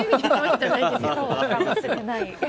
そうかもしれない。